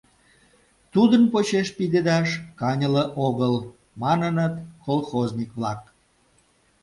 Тудын почеш пидедаш каньыле огыл, — маныныт колхозник-влак.